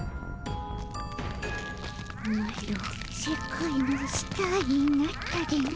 マロ世界のスターになったでの。